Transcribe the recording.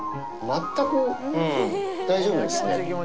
全く大丈夫ですね。